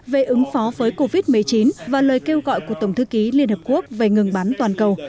về ứng phó với covid một mươi chín và lời kêu gọi của tổng thư ký liên hợp quốc về ngừng bán toàn cầu